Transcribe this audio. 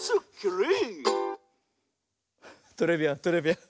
トレビアントレビアン。